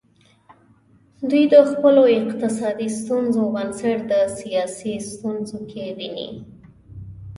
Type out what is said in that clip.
دوی د خپلو اقتصادي ستونزو بنسټ د سیاسي ستونزو کې ویني.